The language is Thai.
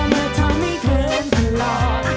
เมื่อเธอไม่เคลื่อนคือหลอก